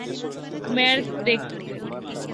Marcel Dekker.